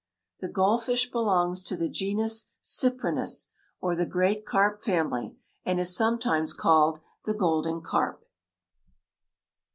The gold fish belongs to the genus Cyprinus, or the great carp family, and is sometimes called the golden carp.